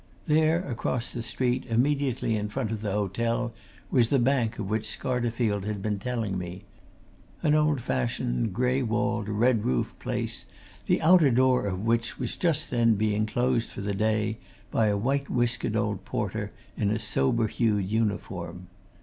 There, across the street, immediately in front of the hotel was the bank of which Scarterfield had been telling me an old fashioned, grey walled, red roofed place, the outer door of which was just then being closed for the day by a white whiskered old porter in a sober hued uniform.